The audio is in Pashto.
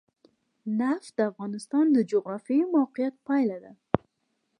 نفت د افغانستان د جغرافیایي موقیعت پایله ده.